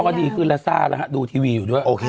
ก็ดีขึ้นแล้วซ่าแล้วฮะดูทีวีอยู่ด้วยโอเค